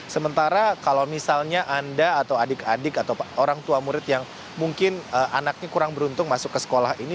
sementara kalau misalnya anda atau adik adik atau orang tua murid yang mungkin anaknya kurang beruntung masuk ke sekolah ini